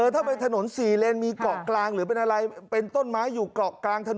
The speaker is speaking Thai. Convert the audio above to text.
ถ้าเป็นถนน๔เลนมีเกาะกลางหรือเป็นอะไรเป็นต้นไม้อยู่เกาะกลางถนน